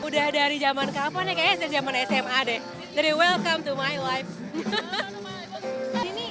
udah dari zaman kapan ya kayaknya dari zaman sma deh dari welcome to my life ini